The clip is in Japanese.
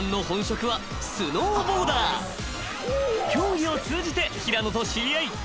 ［競技を通じて平野と知り合い］